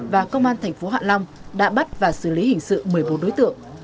và công an thành phố hạ long đã bắt và xử lý hình sự một mươi bốn đối tượng